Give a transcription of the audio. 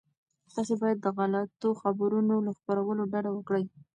تاسي باید د غلطو خبرونو له خپرولو ډډه وکړئ.